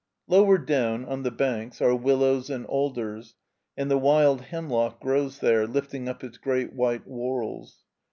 Lower down, on the banks, are willows and alders, and the wild hem lock grows there, lifting up its great white whorls.